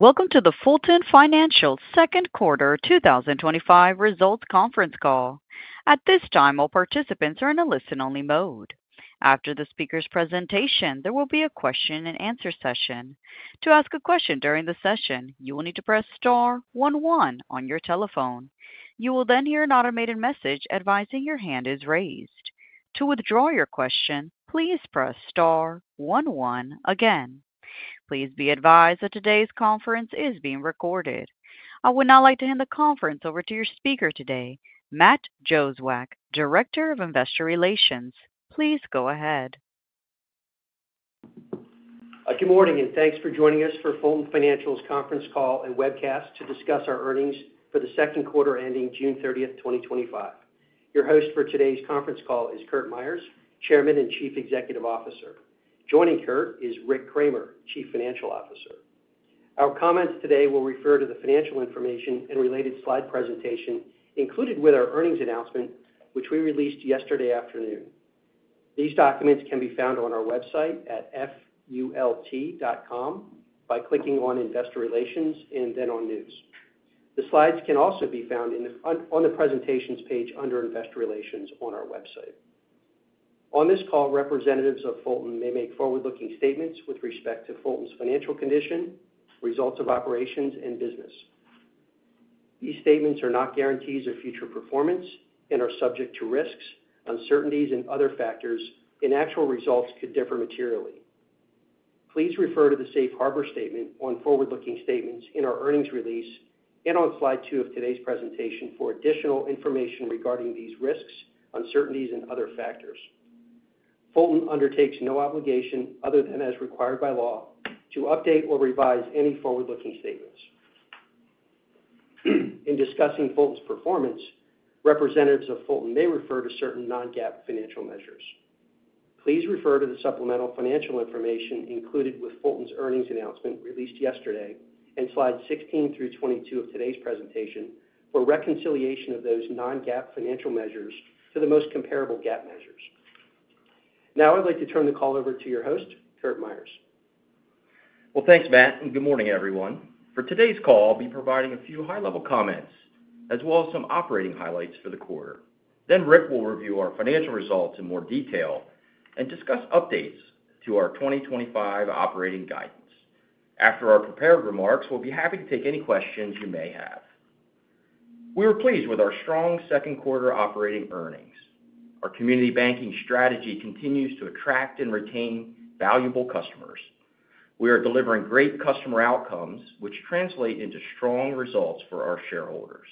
Welcome to the Fulton Financial second quarter 2025 results conference call. At this time all participants are in a listen only mode. After the speaker's presentation there will be a question and answer session. To ask a question during the session you will need to press star one one on your telephone. You will then hear an automated message advising your hand is raised. To withdraw your question, please press star one one again. Please be advised that today's conference is being recorded. I would now like to hand the conference over to your speaker today, Matt Jozwiak, Director of Investor Relations. Please go ahead. Good morning and thanks for joining us for Fulton Financial's conference call and webcast to discuss our earnings for the second quarter ending June 30th, 2025. Your host for today's conference call is Curt Myers, Chairman and Chief Executive Officer. Joining Curt is Rick Kraemer, Chief Financial Officer. Our comments today will refer to the financial information and related slide presentation included with our earnings announcement which we released yesterday afternoon. These documents can be found on our website at fult.com by clicking on investor relations and then on news. The slides can also be found on the presentations page under investor relations on our website. On this call, representatives of Fulton may make forward-looking statements with respect to Fulton's financial condition, results of operations, and business. These statements are not guarantees of future performance and are subject to risks, uncertainties, and other factors, and actual results could differ materially. Please refer to the safe harbor statement on forward-looking statements in our earnings release and on slide two of today's presentation for additional information regarding these risks, uncertainties, and other factors. Fulton undertakes no obligation other than as required by law to update or revise any forward-looking statements in discussing Fulton's performance. Representatives of Fulton may refer to certain non-GAAP financial measures. Please refer to the supplemental financial information included with Fulton's earnings announcement released yesterday and slides 16 through 22 of today's presentation for reconciliation of those non-GAAP financial measures to the most comparable GAAP measures. Now I'd like to turn the call over to your host, Curt Myers. Thanks, Matt, and good morning everyone. For today's call, I'll be providing a few high-level comments as well as some operating highlights for the quarter. Rick will review our financial results in more detail and discuss updates to our 2025 operating guidance. After our prepared remarks, we'll be happy to take any questions you may have. We were pleased with our strong second quarter operating earnings. Our community banking strategy continues to attract and retain valuable customers. We are delivering great customer outcomes, which translate into strong results for our shareholders.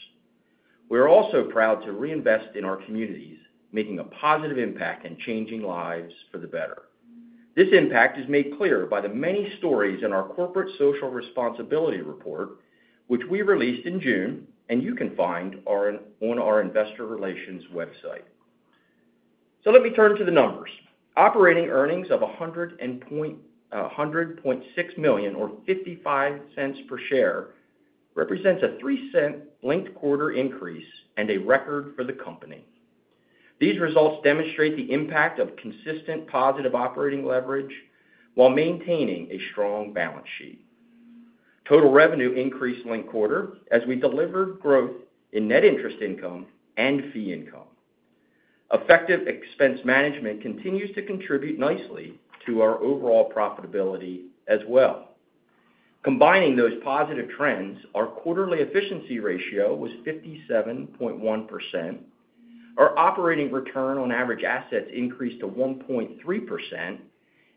We are also proud to reinvest in our communities, making a positive impact in. Changing lives for the better. This impact is made clear by the many stories in our Corporate Social Responsibility Report, which we released in June and you can find on our investor relations website. Let me turn to the numbers. Operating earnings of $100.6 million, or $0.55 per share, represents a $0.03 linked-quarter increase and a record for the company. These results demonstrate the impact of consistent positive operating leverage while maintaining a strong balance sheet. Total revenue increased linked-quarter as we delivered growth in net interest income and fee income. Effective expense management continues to contribute nicely to our overall profitability as well. Combining those positive trends, our quarterly efficiency ratio was 57.1%, our operating return on average assets increased to 1.3%,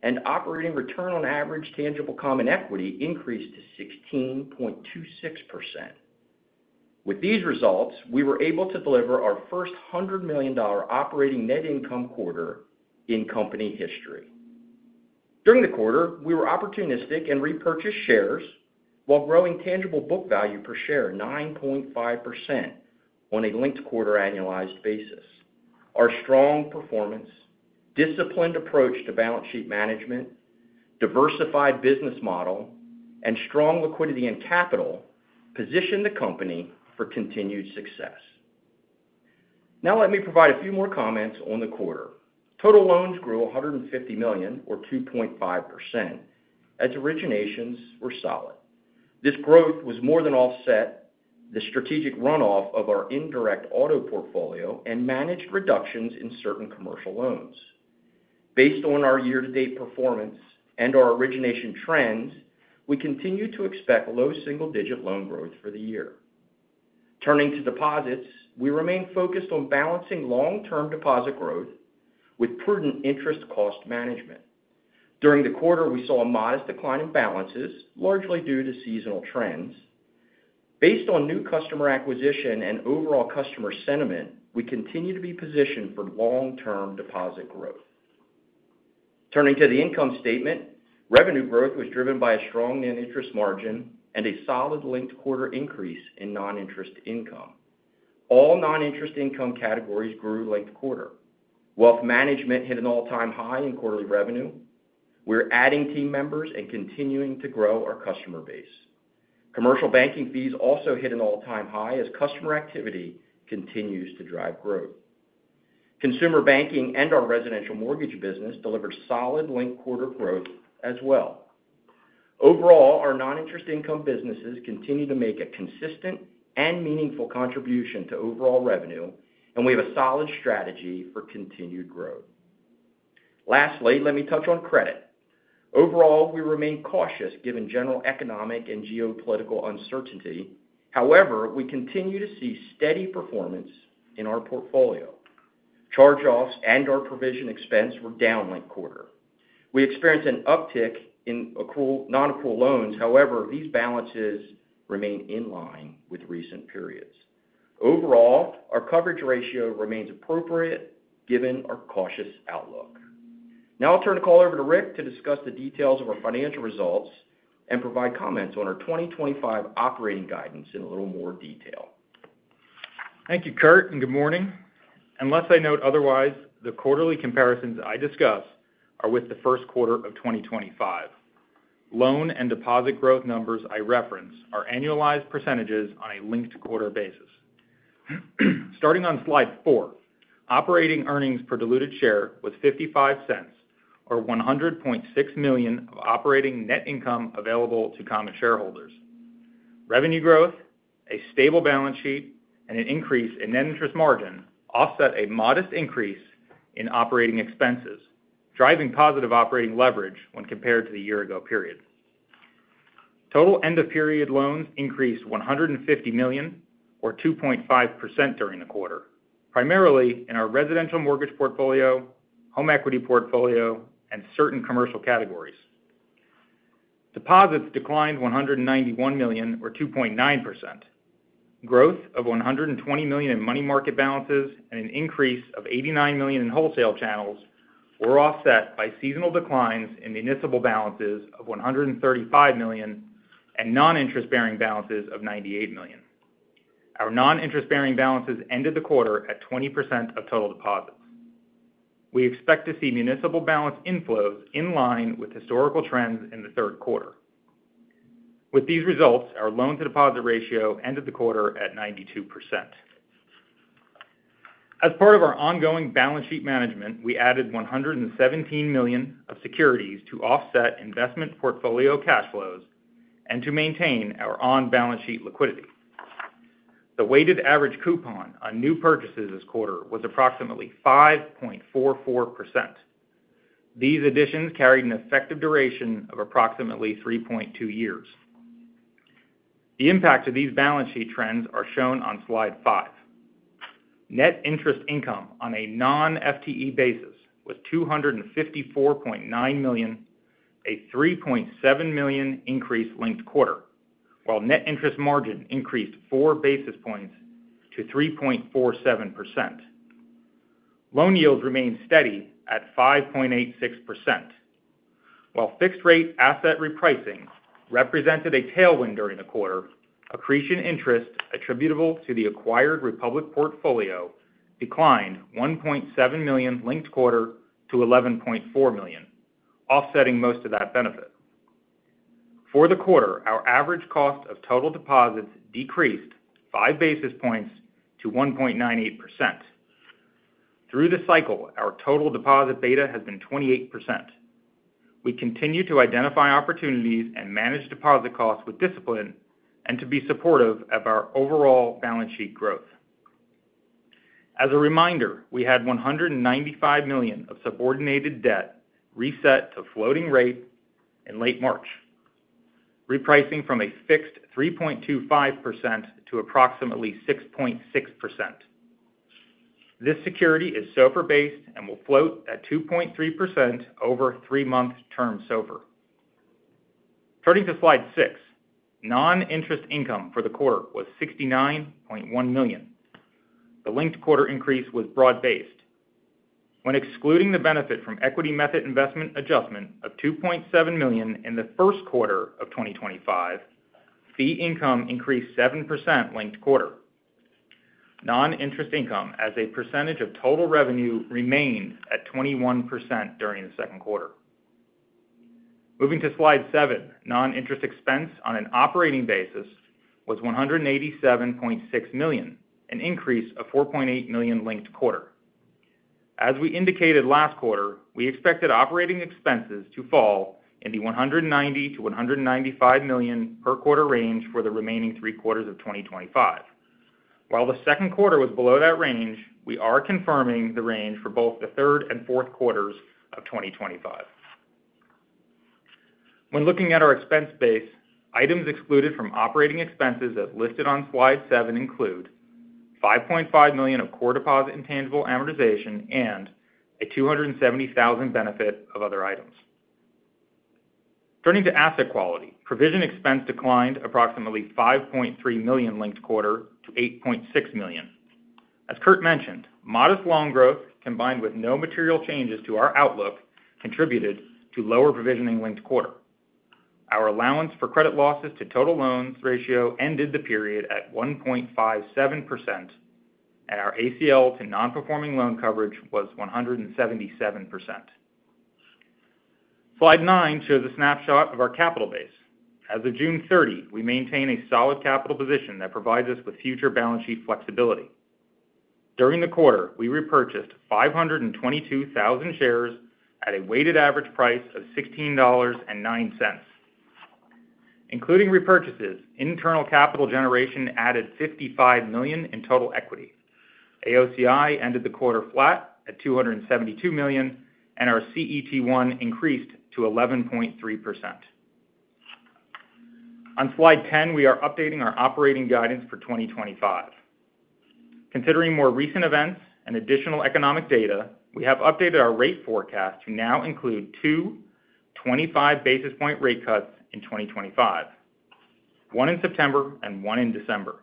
and operating return on average tangible common equity increased to 16.26%. With these results, we were able to deliver our first $100 million operating net income quarter in company history. During the quarter, we were opportunistic and repurchased shares while growing tangible book value per share 9.5% on a linked-quarter annualized basis. Our strong performance, disciplined approach to balance sheet management, diversified business model, and strong liquidity and capital position the company for continued success. Now let me provide a few more comments on the quarter. Total loans grew $150 million, or 2.5%, as originations were solid. This growth more than offset the strategic runoff of our indirect auto portfolio and managed reductions in certain commercial loans. Based on our year-to-date performance and our origination trends, we continue to expect low single-digit loan growth for the year. Turning to deposits, we remain focused on balancing long-term deposit growth with prudent interest cost management. During the quarter, we saw a modest decline in balances largely due to seasonal trends. Based on new customer acquisition and overall customer sentiment, we continue to be positioned for long-term deposit growth. Turning to the income statement, revenue growth was driven by a strong net interest margin and a solid linked-quarter increase in noninterest income. All noninterest income categories grew linked-quarter. Wealth management hit an all-time high in quarterly revenue. We're adding team members and continuing to grow our customer base. Commercial banking fees also hit an all-time high as customer activity continues to drive growth. Consumer banking and our residential mortgage business delivered solid linked-quarter growth as well. Overall, our noninterest income businesses continue to make a consistent and meaningful contribution to overall revenue, and we have a solid strategy for continued growth. Lastly, let me touch on credit. Overall, we remain cautious given general economic and geopolitical uncertainty. However, we continue to see steady performance in our portfolio. Charge-offs and provision expense were down. Late quarter, we experienced an uptick in nonaccrual loans. However, these balances remain in line with recent periods. Overall, our coverage ratio remains appropriate given our cautious outlook. Now I'll turn the call over to Rick to discuss the details of our financial results and provide comments on our 2025 operating guidance in a little more detail. Thank you Curt and good morning. Unless I note otherwise, the quarterly comparisons. I discuss with the first quarter. Of 2025 loan and deposit growth. Numbers I reference are annualized percentages on a linked-quarter basis. Starting on Slide four, operating earnings per diluted share was $0.55 or $100.6 million of operating net income available to common shareholders. Revenue growth, a stable balance sheet, and an increase in net interest margin offset a modest increase in operating expenses, driving positive operating leverage when compared to the year-ago period. Total end of period loans increased $150 million or 2.5% during the quarter, primarily in our residential mortgage portfolio, home equity portfolio, and certain commercial categories. Deposits declined $191 million or 2.9%. Growth of $120 million in money market balances and an increase of $89 million in wholesale channels were offset by seasonal declines in municipal balances of $135 million and noninterest bearing balances of $98 million. Our noninterest bearing balances ended the quarter at 20% of total deposits. We expect to see municipal balance inflows in line with historical trends in the third quarter. With these results, our loan to deposit ratio ended the quarter at 92%. As part of our ongoing balance sheet management, we added $117 million of securities to offset investment portfolio cash flows and to maintain our on-balance sheet liquidity. The weighted average coupon on new purchases this quarter was approximately 5.44%. These additions carried an effective duration of approximately 3.2 years. The impact of these balance sheet trends are shown on Slide five. Net interest income on a non-FTE basis was $254.9 million, a $3.7 million increase linked-quarter while net interest margin increased four basis points to 3.47%. Loan yields remained steady at 5.86% while fixed rate asset repricing represented a tailwind during the quarter. Accretion interest attributable to the acquired Republic portfolio declined $1.7 million linked-quarter to $11.4 million, offsetting most of that benefit for the quarter. Our average cost of total deposits decreased five basis points to 1.98%. Through the cycle, our total deposit beta has been 28%. We continue to identify opportunities and manage deposit costs with discipline and to be supportive of our overall balance sheet growth. As a reminder, we had $195 million of subordinated debt reset to floating rate in late March, repricing from a fixed 3.25% to approximately 6.6%. This security is SOFR-based and will float at 2.3% over 3-month term SOFR. Turning to slide six, noninterest income for the quarter was $69.1 million. The linked-quarter increase was broad based when excluding the benefit from equity method investment adjustment of $2.7 million in the first quarter of 2025. Fee income increased 7%. Linked-quarter noninterest income as a percentage of total revenue remained at 21% during the second quarter. Moving to slide seven, noninterest expense on an operating basis was $187.6 million, an increase of $4.8 million linked-quarter. As we indicated last quarter, we expected operating expenses to fall in the $190 million-$195 million per quarter range for the remaining three quarters of 2025. While the second quarter was below that range, we are confirming the range for both the third and fourth quarters of 2025 when looking at our expense base. Items excluded from operating expenses as listed on slide seven include $5.5 million of core deposit intangible amortization and a $270,000 benefit of other items. Turning to asset quality, provision expense declined approximately $5.3 million linked-quarter to $8.6 million. As Curt mentioned, modest loan growth combined with no material changes to our outlook contributed to lower provisioning linked-quarter. Our allowance for credit losses to total loans ratio ended the period at 1.57% and our ACL to nonperforming loan coverage was 177%. Slide nine shows a snapshot of our capital base as of June 30. We maintain a solid capital position that provides us with future balance sheet flexibility. During the quarter, we repurchased 522,000 shares at a weighted average price of $16.09. Including repurchases and internal capital generation, we added $55 million in total equity. AOCI ended the quarter flat at $272 million and our CET1 increased to 11.3%. On slide 10, we are updating our operating guidance for 2025 considering more recent events and additional economic data. We have updated our rate forecast to now include two 25 basis point rate cuts in 2025, one in September and one in December.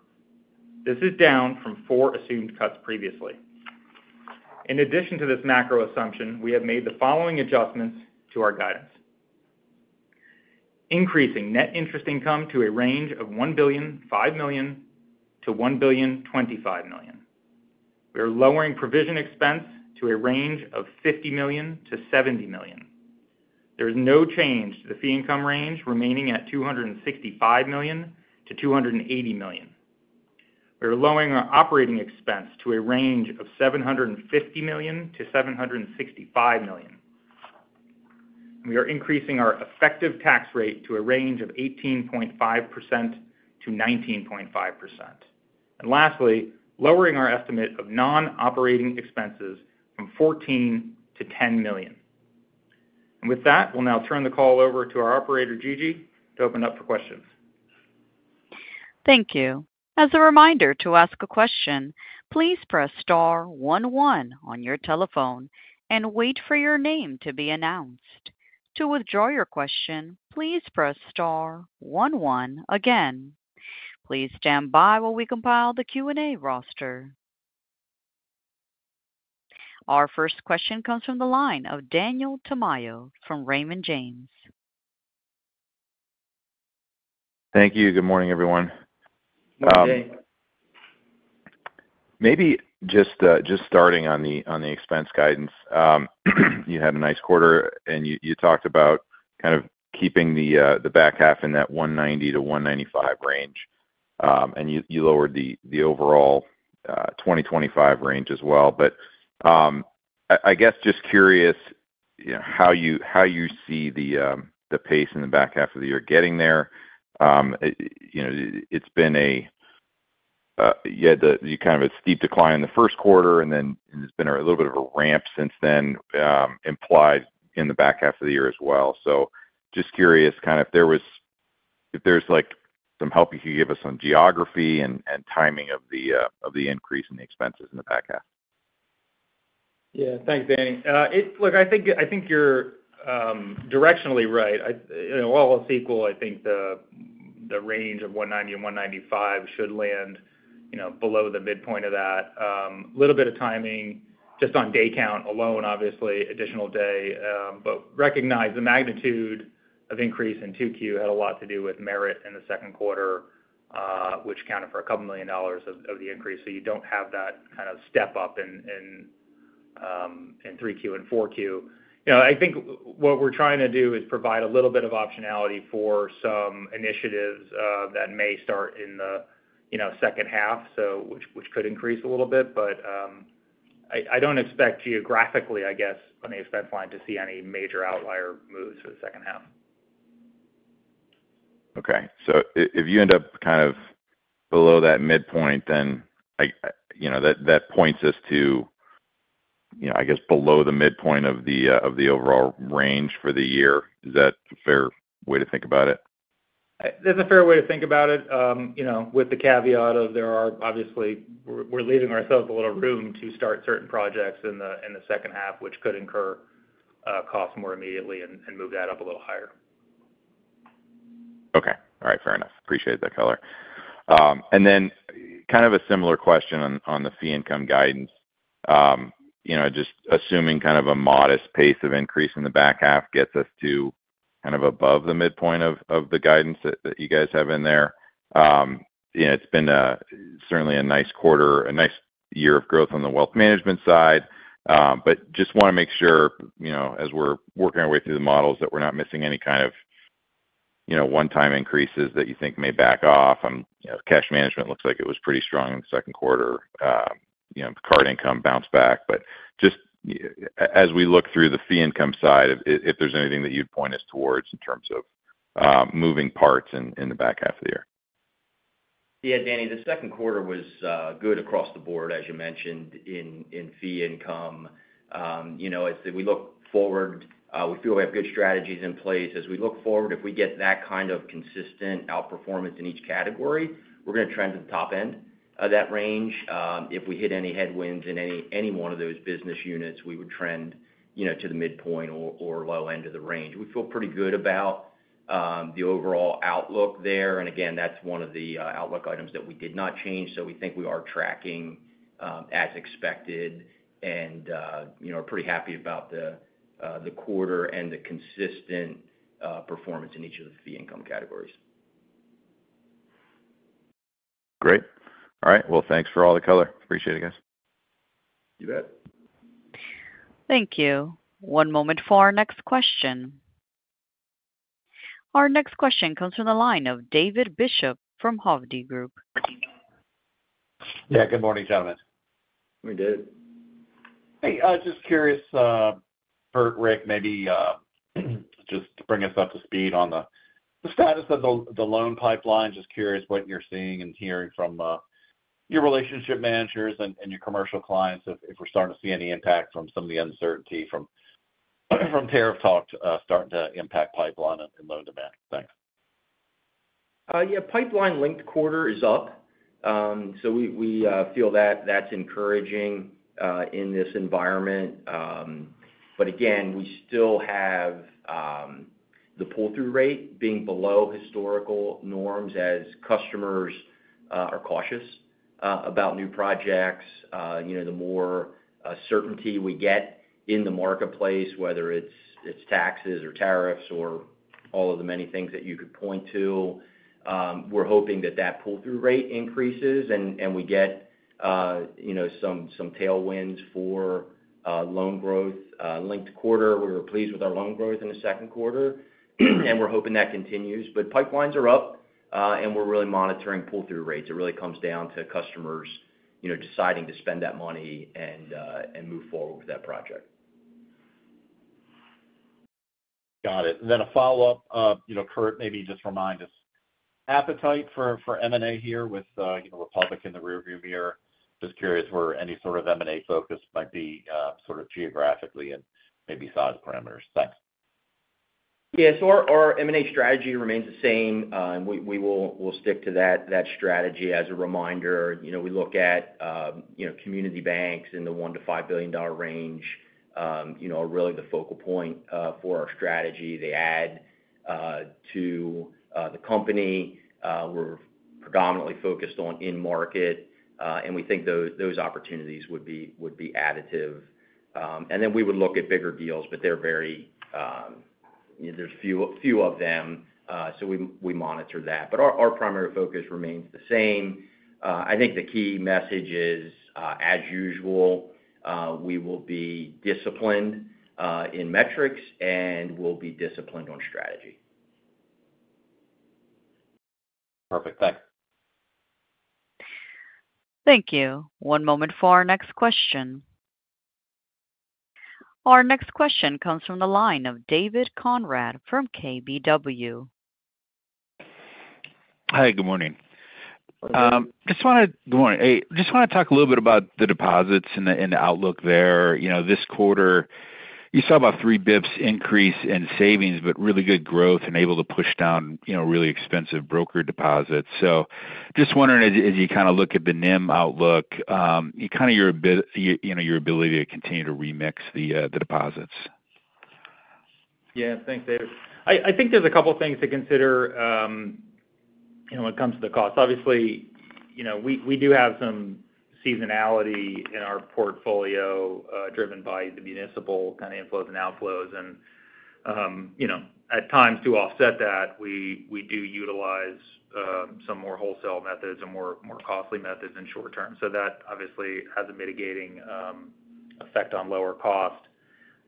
This is down from four assumed cuts previously. In addition to this macro assumption, we have made the following adjustments to our guidance. We are increasing net interest income to a range of $1.005 billion-$1.025 billion. We are lowering provision expense to a range of $50 million-$70 million. There is no change to the fee income range, remaining at $265 million-$280 million. We are lowering our operating expense to a range of $750 million-$765 million. We are increasing our effective tax rate to a range of 18.5%-19.5%. Lastly, lowering our estimate of nonoperating expenses from $14 million to $10 million. With that, we'll now turn the call over to our operator, Gigi, to open up for questions. Thank you. As a reminder, to ask a question, please press Star one one on your telephone and wait for your name to be announced. To withdraw your question, please press Star one one again. Please stand by while we compile the Q&A roster. Our first question comes from the line of Daniel Tamayo from Raymond James. Thank you. Good morning everyone. Maybe just starting on the expense guidance. You had a nice quarter, and you talked about kind of keeping the back half in that $190-$195 million range. You lowered the overall 2025 range as well. I guess just curious how you see the pace in the back half of the year getting there. You had a steep decline in the first quarter, and then there's been a little bit of a ramp since then implied in the back half of the year as well. Just curious if there's some help you could give us on geography and timing of the increase. In the expenses in the back half. Yeah, thanks Danny. Look, I think you're directionally right. I think the range of $190 million-$195 million should land below the midpoint of that, a little bit of timing just on day count alone, obviously additional day. Recognize the magnitude of increase in 2Q had a lot to do with merit in the second quarter, which accounted for a couple million dollars of the increase. You don't have that kind of step up in 3Q and 4Q. I think what we're trying to do is provide a little bit of optionality for some initiatives that may start in the second half, which could increase a little bit. I don't expect geographically, I guess on the expense line, to see any major outlier moves for the second half. Okay. If you end up kind of below that midpoint, then you know that points us to, I guess, below the midpoint of the overall range for the year. Is that a fair way to think about it? That's a fair way to think about it. You know, with the caveat that we are obviously leaving ourselves a little room to start certain projects in the second half, which could incur costs more immediately and move that up a little higher. Okay, all right, fair enough. Appreciate that color. Kind of a similar question on the fee income guidance. Just assuming kind of a modest pace of increase in the back half gets us to kind of above the midpoint of the guidance that you guys have in there. It's been certainly a nice quarter, a nice year of growth on the wealth management side. I just want to make sure as we're working our way through the models that we're not missing any kind of one-time increases that you think may back off. Cash management looks like it was pretty strong in the second quarter. Card income bounced back. As we look through the fee income side, if there's anything that you'd point us towards in terms of moving parts in the back half of the year. Yes, Danny, the second quarter was good across the board. As you mentioned in fee income, we look forward, we feel we have good strategies in place as we look forward. If we get that kind of consistent outperformance in each category, we're going to trend to the top end of that range. If we hit any headwinds in any one of those business units, we would trend to the midpoint or low end of the range. We feel pretty good about the overall outlook there. That is one of the outlook items that we did not change. We think we are tracking as expected and are pretty happy about the quarter and the consistent performance in each. Of the fee income categories. Great. All right, thanks for all the color. Appreciate it, guys. You bet. Thank you. One moment for our next question. Our next question comes from the line of David Bishop from Hovde Group. Yeah, good morning gentlemen. Hey, just curious for Rick, maybe just. Bring us up to speed on the. Status of the loan pipeline. Just curious what you're seeing and hearing. From your relationship managers and your commercial clients, if we're starting to see any impact. Some of the uncertainty from tariff talk is starting to impact pipeline and loan demand. Thanks. Yeah, pipeline linked-quarter is up. We feel that that's encouraging in this environment. Again, we still have the pull through rate being below historical norms as customers are cautious about new projects. The more certainty we get in the marketplace, whether it's taxes or tariffs or all of the many things that you could point to, we're hoping. That pull through rate increases. We get some tailwinds for loan growth. Linked-quarter, we were pleased with our loan growth. In the second quarter, we're hoping that continues. Pipelines are up, and we're really monitoring pull through rates. It really comes down to customers, you know, deciding to spend that money and move forward with that project. Got it. I have a follow up. You know, Curt, maybe just remind us. Appetite for M&A here with. Republic the rearview mirror. Just curious where any sort of M&A. Focus might be sort of geographically and maybe size parameters. Thanks. Yes, our M&A strategy remains the same. We will stick to that strategy. As a reminder, we look at community banks in the $1 billion-$5 billion range. Really, the focal point for our strategy, they add to the company we're predominantly focused on in market and we think those opportunities would be additive and then we would look at bigger deals. There are very few of them. We monitor that. Our primary focus remains the same. I think the key message is as usual, we will be disciplined in metrics and we'll be disciplined on strategy. Perfect, thanks. Thank you. One moment for our next question. Our next question comes from the line of David Conrad from Keefe Bruyette & Woods. Hi, good morning. Good morning. I just want to talk a little bit. About the deposits and the outlook there, this quarter you saw about three basis points increase in savings but really good growth and able to push down really expensive broker deposits. Just wondering as you kind of look at the NIM outlook, kind of your ability to continue to remix the deposits. Yeah, thanks, David. I think there's a couple things to consider. Consider. When it comes to the cost, obviously we do have some seasonality in our portfolio driven by the municipal kind of inflows and outflows. At times, to offset that, we do utilize some more wholesale methods and more costly methods in short term. That obviously has a mitigating effect on lower cost.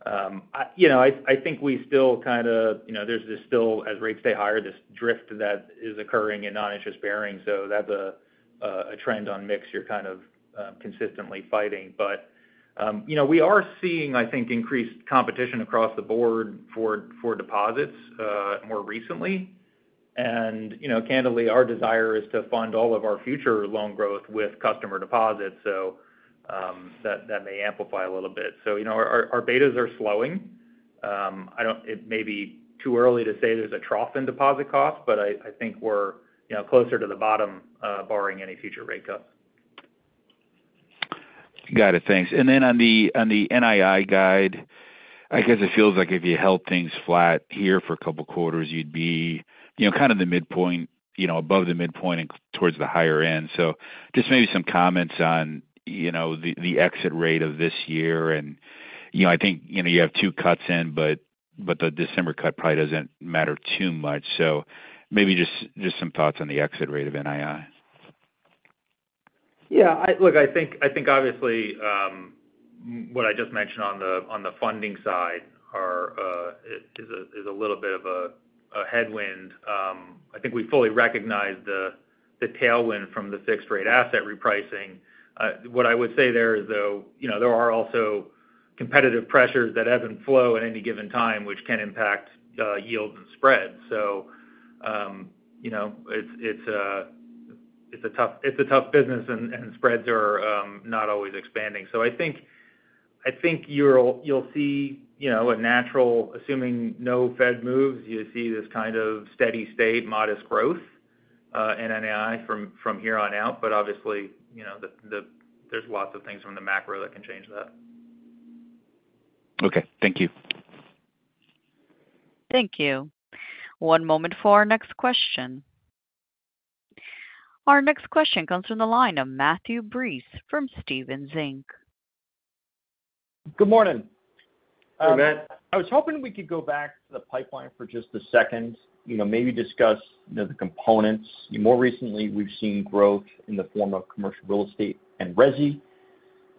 I think we still kind of, you know, there's this, still as rates stay higher, this drift that is occurring in non-interest bearing. That's a trend on mix you're kind of consistently fighting. We are seeing, I think, increased competition across the board for deposits more recently. Candidly, our desire is to fund all of our future loan growth with customer deposits, so that may amplify a little bit. Our betas are slowing. It may be too early to say there's a trough in deposit cost, but I think we're closer to the bottom, barring any future rate cuts. Got it, thanks. On the NII guide, I guess it feels like if you held things flat here for a couple quarters, you'd be kind of the midpoint, above the midpoint and towards the higher end. Maybe some comments on the exit rate of this year. I think you have two cuts in, but the December cut probably doesn't matter too much. Maybe just some thoughts on the exit rate of NII. Yeah, I think obviously what I just mentioned on the funding side. Is. A little bit of a headwind. I think we fully recognize the tailwind from the fixed rate asset repricing. What I would say there is, though, there are also competitive pressures that ebb and flow at any given time, which can impact yield and spreads. So. It's a tough business, and spreads are not always expanding. I think you'll see a natural, assuming no Fed moves, you see this kind of steady state, modest growth in NII from here on out. Obviously, there's lots of things from the macro that can change that. Okay, thank you. Thank you. One moment for our next question. Our next question comes from the line of Matthew Breese from Stephens Inc. Good morning. I was hoping we could go back to the pipeline for just a second, you know, maybe discuss the components more. Recently we've seen growth in the form of commercial real estate and residential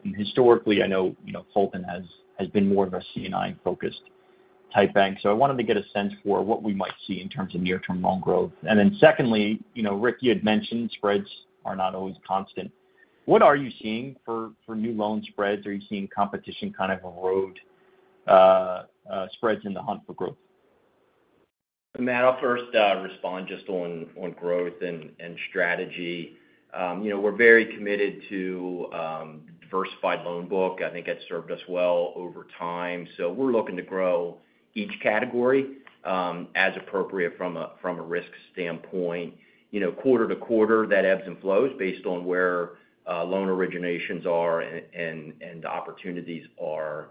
mortgage. Historically, I know Fulton has been more of a C&I focused type bank. I wanted to get a sense. For what we might see in terms of near-term loan growth. Rick, you had mentioned spreads are not always constant. What are you seeing for new loan spreads? Are you seeing competition kind of erode spreads in the hunt for growth? Matt, I'll first respond just on growth and strategy. We're very committed to a diversified loan book. I think that served us well over time. We're looking to grow each category as appropriate from a risk standpoint. Quarter to quarter that ebbs and flows based on where loan originations are and opportunities are.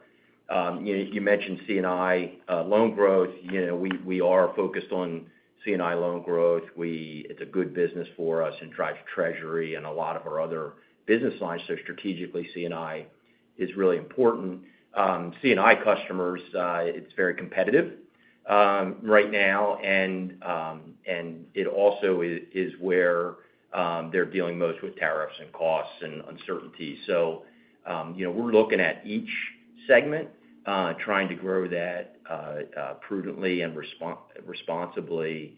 You mentioned C&I loan growth. We are focused on C&I loan growth. It's a good business for us and drives treasury and a lot of. Our other business lines. Strategically, C&I is really important. C&I customers. It's very competitive right now, and it also is where they're dealing most with tariffs and costs and uncertainty. We're looking at each segment, trying to grow that prudently and responsibly.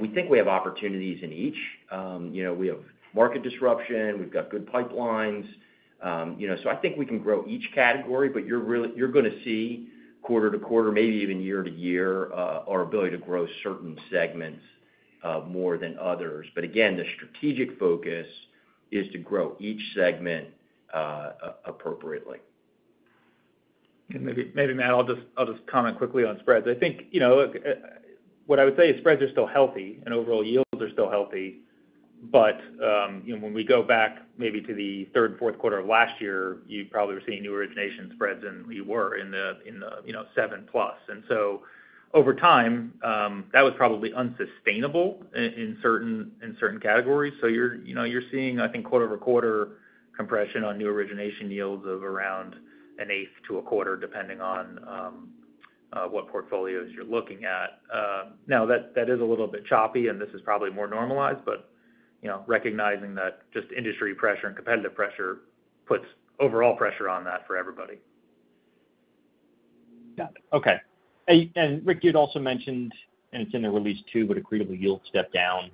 We think we have opportunities in each. We have market disruption, we've got good pipelines. I think we can grow each category. You're really going to see. Quarter to quarter, maybe even year to year. Year, our ability to grow certain segments more than others. Again, the strategic focus is to. Grow each segment appropriately. Maybe. Matt, I'll just comment quickly on spreads. I think what I would say is spreads are still healthy, and overall yields are still healthy. When we go back maybe to. The third, fourth quarter of last year. You probably were seeing new origination spreads and we were in the 7% plus. Over time, that was probably unsustainable in certain categories. You're seeing, I think, quarter over quarter compression on new origination yields of around 0.125% to 0.25% depending on what portfolios you're looking at. That is a little bit choppy and this is probably more normalized, but recognizing that just industry pressure and competitive pressure puts overall pressure on that for everybody. Got it. Okay. Rick, you'd also mentioned, and it's in the release too, but accretable yield, step down.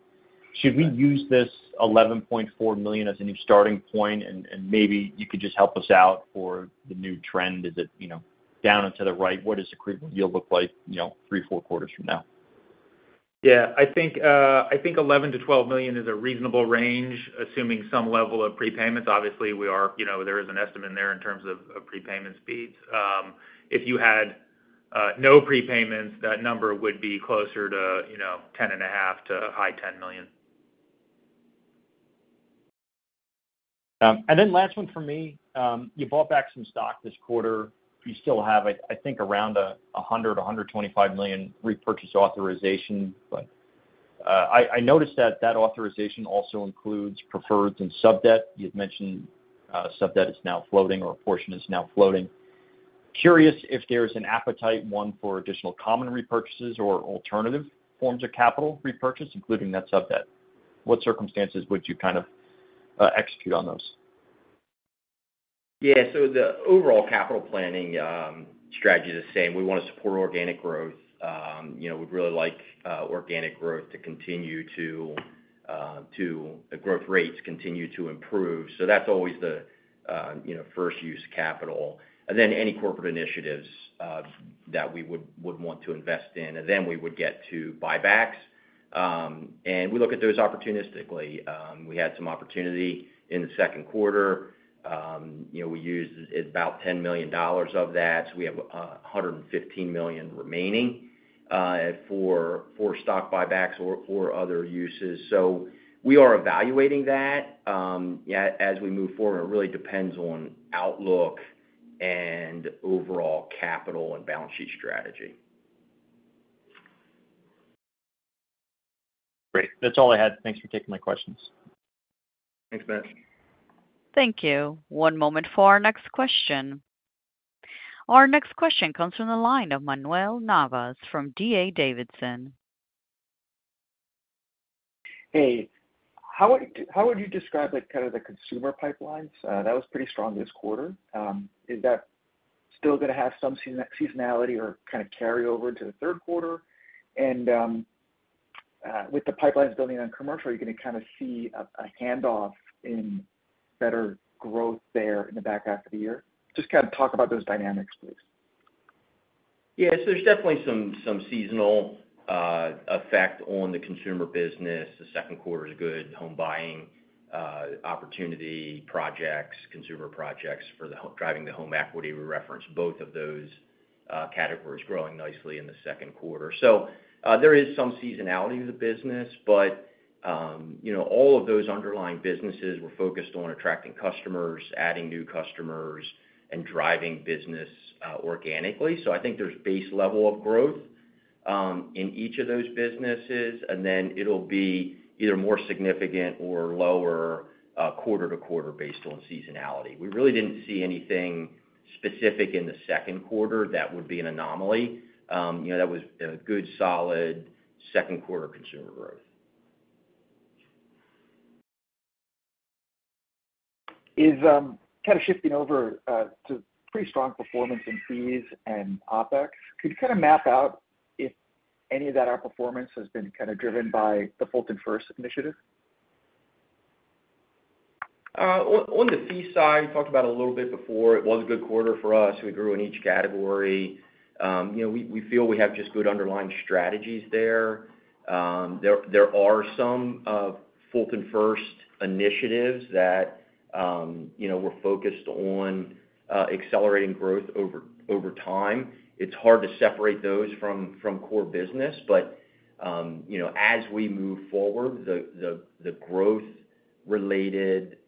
Should we use this $11.4 million as a new starting point and maybe you. Could you just help us out for the new trend? Is it down and to the right? What does the credible yield look like, you know, three, four quarters from now? I think $11 million-$12 million is a reasonable range, assuming some level of prepayments. Obviously, there is an estimate there in terms of prepayment speeds. If you had no prepayments, that number would be closer to $10.5 million to high $10 million. Last one for me, you bought back some stock this quarter. You still have, I think, around $100 million, $125 million repurchase authorization. I noticed that authorization also includes preferreds and sub debt. You had mentioned sub debt is now floating or a portion is now floating. Curious if there's an appetite, one, for additional common repurchases or alternative forms of capital repurchase, including that sub debt. What circumstances would you execute on those? Yeah, the overall capital planning strategy is the same. We want to support organic growth. You know, we'd really like organic growth to continue. Growth rates continue to improve. That's always the, you know, first use of capital, and then any corporate initiatives that we would want to invest in, and then we would get to buybacks, and we look at those opportunistically. We had some opportunity in the second quarter. We used about $10 million of that. We have $115 million remaining for stock buybacks or other uses. We are evaluating that as we move forward. It really depends on outlook and overall capital and balance sheet strategy. Great. That's all I had. Thanks for taking my questions. Thanks, Matt. Thank you. One moment for our next question. Our next question comes from the line of Manuel Navas from D.A. Davidson. Hey, how would you describe kind of the consumer pipelines that was pretty strong this quarter? Is that still going to have some seasonality or kind of carry over to the third quarter, and with the pipelines building on commercial, you're going to kind of see a handoff in better growth. There in the back half of the year? Just kind of talk about those dynamics, please. Yes, there's definitely some seasonal effect on the consumer business. The second quarter is good. Home buying opportunity projects, consumer projects for driving the home equity. We referenced both of those categories growing nicely in the second quarter. There is some seasonality to the business. All of those underlying businesses were focused on attracting customers, adding new customers, and driving business organically. I think there's base level of growth in each of those businesses, and then it'll be either more significant or lower quarter to quarter based on seasonality. We really didn't see anything specific in the second quarter that would be an anomaly. That was good, solid second. Quarter consumer growth. Is kind of shifting over to pretty strong performance in fees and OpEx. Could you kind of map out if. Any of that outperformance has been kind of driven by the FultonFirst initiative? On the fee side, we talked about it a little bit before. It was a good quarter for us. We grew in each category. We feel we have just good underlying strategies there. There are some FultonFirst initiatives that we're focused on accelerating growth over time. Over time, it's hard to separate those from core business. As we move forward, the growth related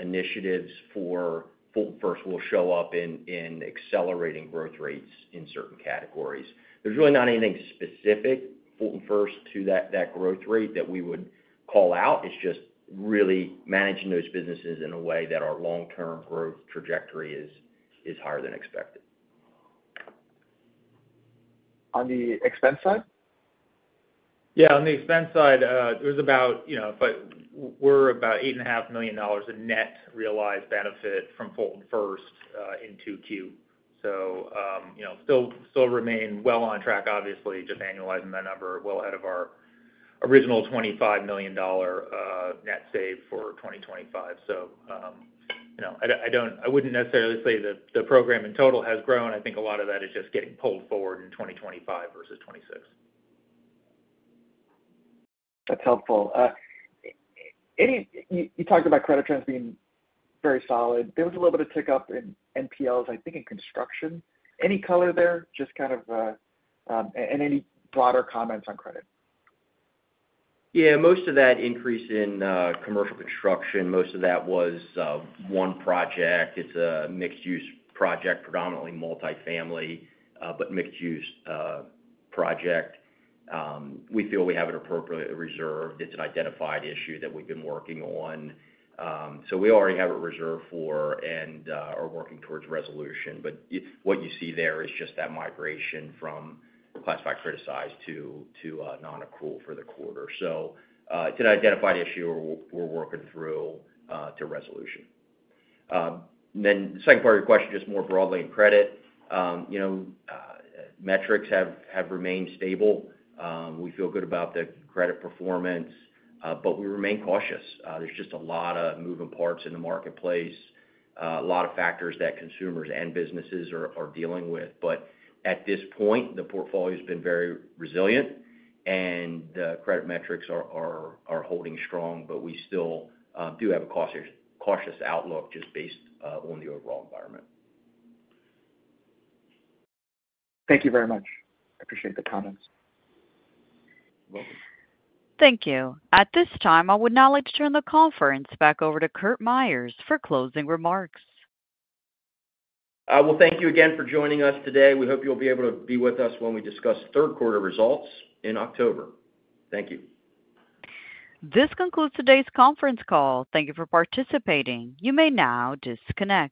initiatives for FultonFirst will show up in accelerating growth rates in certain categories. There's really not anything specific FultonFirst. To that growth rate that we would call out, it's just really managing those businesses in. A way that our long-term growth. Trajectory is higher than expected. On the expense side. On the expense side, there's about, you know, we're about $8.5 million in net realized benefit from FultonFirst in 2Q. You know, still remain well on track. Obviously, just annualizing that number, well ahead of our original $25 million net save for 2025. I wouldn't necessarily say that the program in total has grown. I think a lot of that is just getting pulled forward in 2025 versus 2026. That's helpful. You talked about credit trends being very solid. There was a little bit of a tick up in NPLs, I think in construction. Any color there, just kind of any broader comments on credit? Yeah, most of that. Increase in commercial construction. Most of that was one project. It's a mixed-use project, predominantly multifamily but mixed-use project. We feel we have it appropriately reserved. It's an identified issue that we've been working on. We already have it reserved for and are working towards resolution. What you see there is just that migration from classified criticized to. Nonaccrual for the quarter. It is an identified issue we're working through to resolution. The second part of your question, just more broadly, credit metrics have remained stable. We feel good about the credit performance. We remain cautious. are just a lot of moving parts in the marketplace, a lot of factors that consumers and businesses are dealing with. At this point, the portfolio has been very resilient and credit metrics are holding strong. We still do have a cautious outlook just based on the overall environment. Thank you very much. I appreciate the comments. Thank you. At this time, I would now like to turn the conference back over to Curt Myers for closing remarks. Thank you again for joining us today. We hope you'll be able to be. With us when we discuss third quarter results in October. Thank you. This concludes today's conference call. Thank you for participating. You may now disconnect.